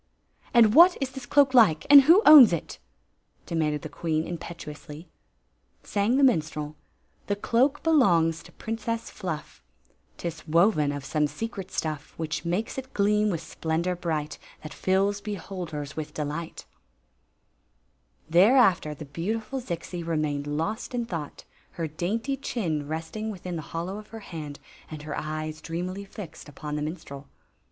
"And what is this cloak like — and who owns it? demanded the queen, impetuously. Sang the minstrel: "The cloak belongs to Princess Fhiff ; T is woven of some secret stuff Which makes it gleam with splendor bright That fills beholders with delighL Thereafter the beautiful Zixi remained lost in thought, her dainty chin resting within the hollow of her hand and her eyes dreamily fixed upon the minstrel.